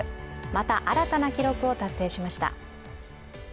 また新たな記録を達成しました。